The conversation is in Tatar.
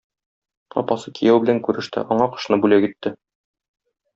Апасы кияү белән күреште, аңа кошны бүләк итте.